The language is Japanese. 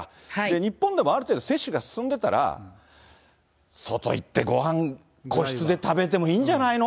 日本でもある程度、接種が進んでたら、外行ってごはん、個室で食べてもいいんじゃないの？